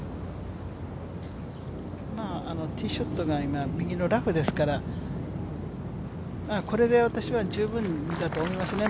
ティーショットが今、右のラフですからこれで私は十分だと思いますね。